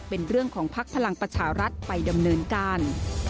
เป็นเรื่องของภักดิ์พลังประชารัฐไปดำเนินการ